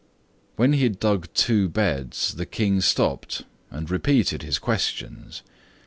When he had dug two beds, the King stopped and repeated his questions.